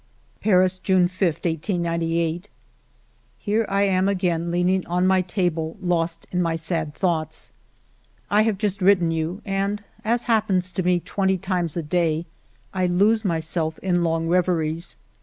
..." Paris, June 5, 1 898. " Here I am again leaning on my table lost in my sad thoughts. I have just written you and, as happens to me twenty times a day, I lose my self in long reveries.